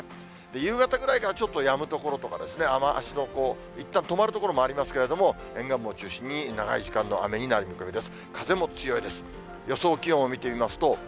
夕方ぐらいからちょっとやむ所とか、雨足のいったん止まる所もありますけれども、沿岸部を中心に、長い時間の雨になる見込みです。